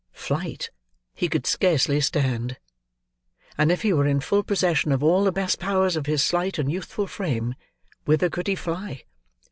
Flight! He could scarcely stand: and if he were in full possession of all the best powers of his slight and youthful frame, whither could he fly?